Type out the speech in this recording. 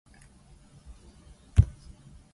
私はあの日のままなんだ